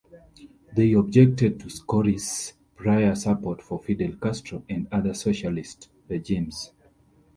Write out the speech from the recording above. They objected to Schori's prior support for Fidel Castro and other socialist regimes.